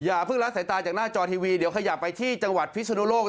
เพิ่งละสายตาจากหน้าจอทีวีเดี๋ยวขยับไปที่จังหวัดพิศนุโลก